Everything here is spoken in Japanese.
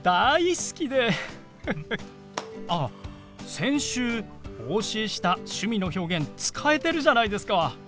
先週お教えした趣味の表現使えてるじゃないですか！